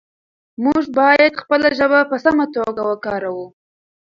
موږ باید خپله ژبه په سمه توګه وکاروو